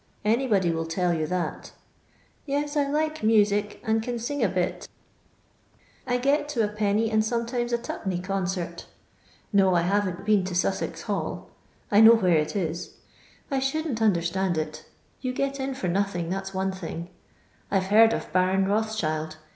Anybody will tell you that Yet, I like music and can sing a bit I get to a penny and sometimes a two penny concert. No, I haTen't been to Sussex Hall — I know where it IS — I shouldn't understand it Tou get in for nothinff^ that's one thing. I 're heard of Baron Bothicnild.